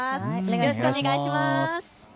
よろしくお願いします。